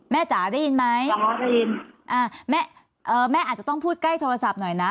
จ๋าได้ยินไหมได้ยินอ่าแม่อาจจะต้องพูดใกล้โทรศัพท์หน่อยนะ